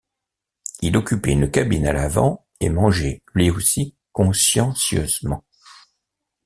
Il occupait une cabine à l’avant et mangeait, lui aussi, consciencieusement.